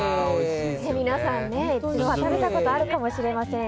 皆さん、一度は食べたことがあるかもしれません。